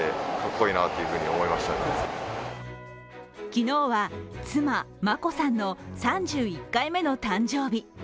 昨日は妻・眞子さんの３１回目の誕生日。